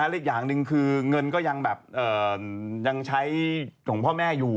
และอย่างหนึ่งคือเงินก็ยังใช้ของพ่อแม่อยู่